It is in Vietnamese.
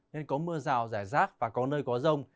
nên có mưa rào rải rác và có nơi có rông